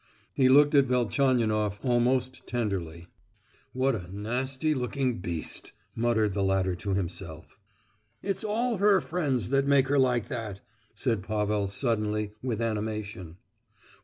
He looked at Velchaninoff almost tenderly. "What a nasty looking beast!" muttered the latter to himself. "It's all her friends that make her like that," said Pavel, suddenly, with animation.